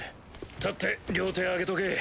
立って両手上げとけ。